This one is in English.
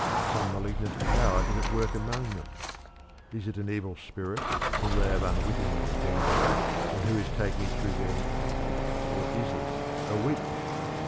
Some malignant power is at work among them. Is it an evil spirit whom they have unwittingly offended and who is taking its revenge, or is it a witch?